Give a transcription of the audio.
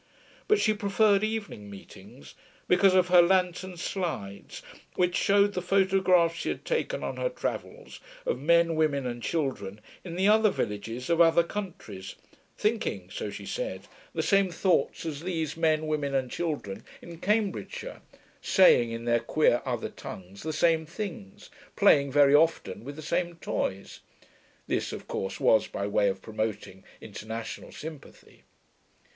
But she preferred evening meetings, because of her lantern slides, which showed the photographs she had taken on her travels of men, women, and children in the other villages of other countries, thinking, so she said, the same thoughts as these men, women, and children in Cambridgeshire, saying, in their queer other tongues, the same things, playing, very often, with the same toys. (This, of course, was by way of Promoting International Sympathy.)